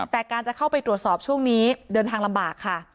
แต่การจะเข้าไปตรวจสอบช่วงนี้เดินทางลำบากค่ะ